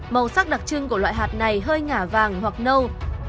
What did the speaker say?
màu sắc đặc trưng của loại hạt này hơi ngả vàng hoặc nâu